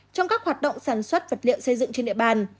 trong các hoạt động sản xuất vật liệu xây dựng trên địa bàn